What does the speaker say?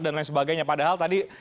dan lain sebagainya padahal tadi